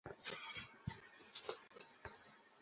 সত্যি, শুরুতেই তার সাথে রাগারাগি করেছি।